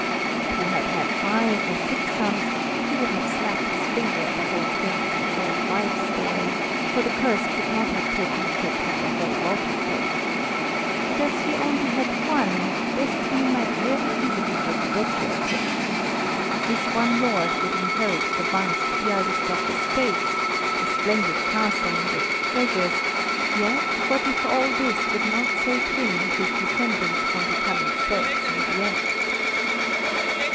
If he had had five or six sons he would have snapped his fingers at the whole thing as an old wife's story, for the curse could not have taken effect on the whole lot of them. But as he only had one, Destiny might very easily get the better of him. This one lord would inherit the vast Bialystok estates, the splendid castle and its treasures, yet what if all this would not save him and his descendants from becoming serfs in the end.